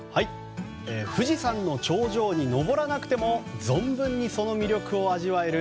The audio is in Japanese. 富士山の頂上に登らなくても存分に、その魅力を味わえる。